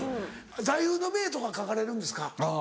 座右の銘とか書かれるんですか？